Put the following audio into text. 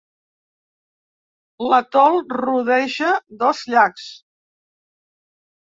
L'atol rodeja dos llacs.